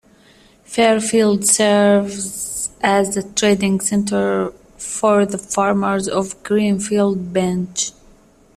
Fairfield serves as a trading center for the farmers of Greenfield Bench.